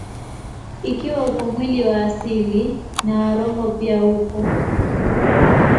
Ikiwa uko mwili wa asili, na wa roho pia uko.